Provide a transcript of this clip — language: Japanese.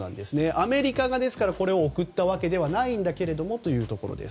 アメリカがこれを送ったわけではないんだけれどもというところ。